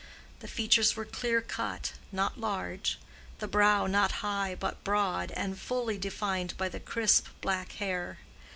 The features were clear cut, not large; the brow not high but broad, and fully defined by the crisp black hair.